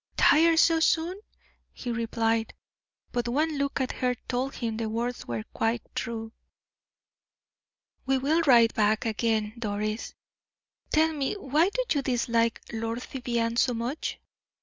"Tired so soon!" he replied. But one look at her told him the words were quite true. "We will ride back again, Doris. Tell me why do you dislike Lord Vivianne so much?"